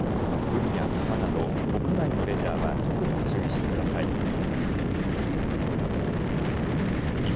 海や川など屋外のレジャーは特に注意してください。